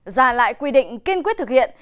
giả lại quy định kiên quyết thực hiện